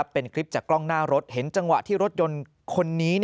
เป็นคลิปจากกล้องหน้ารถเห็นจังหวะที่รถยนต์คนนี้